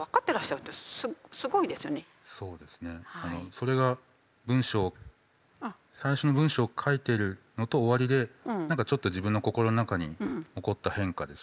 それが文章最初の文章を書いているのと終わりで何かちょっと自分の心の中に起こった変化でした。